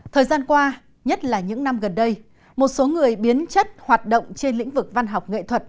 thời gian qua nhất là những năm gần đây một số người biến chất hoạt động trên lĩnh vực văn học nghệ thuật